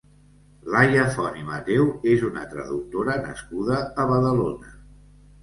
Laia Font i Mateu és una traductora nascuda a Badalona.